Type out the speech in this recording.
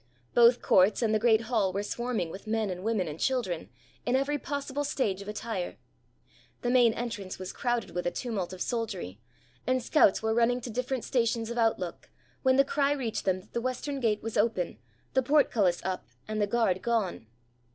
Both courts and the great hall were swarming with men and women and children, in every possible stage of attire. The main entrance was crowded with a tumult of soldiery, and scouts were rushing to different stations of outlook, when the cry reached them that the western gate was open, the portcullis up, and the guard gone.